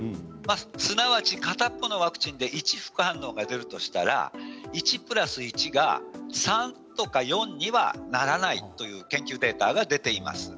すなわち片っぽのワクチンで一時期反応が出るとしたら１＋１が３とか４にはならないという研究データが出ています。